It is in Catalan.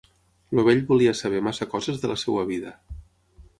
El vell volia saber massa coses de la seva vida.